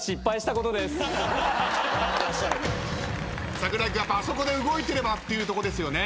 櫻井君あそこで動いてればっていうとこですよね。